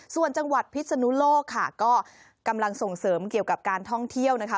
ส่วนจังหวัดพิศนุโลกค่ะก็กำลังส่งเสริมเกี่ยวกับการท่องเที่ยวนะคะ